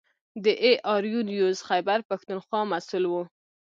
د اې ار یو نیوز خیبر پښتونخوا مسوول و.